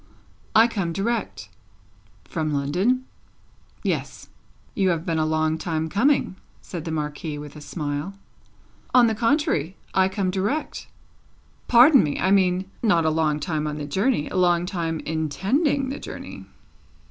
"I come direct." "From London?" "Yes." "You have been a long time coming," said the Marquis, with a smile. "On the contrary; I come direct." "Pardon me! I mean, not a long time on the journey; a long time intending the journey."